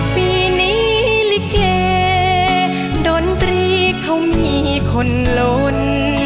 ปีนี้ลิเกดนตรีเขามีคนลน